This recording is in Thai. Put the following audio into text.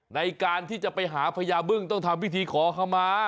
ในการที่จะไปหาพญาบึ้งต้องทำพิธีขอขมา